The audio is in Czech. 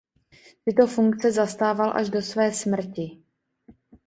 Tyto funkce zastával až do své smrti.